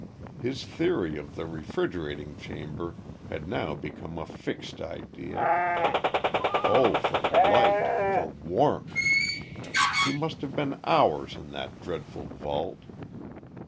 His theory of the refrigerating chamber had now become a fixed idea. Oh, for light for warmth! He must have been hours in that dreadful vault.